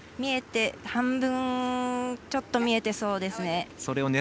半分ちょっと見えてそうですね。